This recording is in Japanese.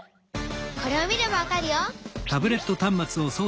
これを見ればわかるよ！